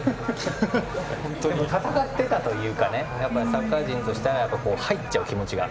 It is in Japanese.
戦っていたというかサッカー人としては入っちゃう、気持ちが。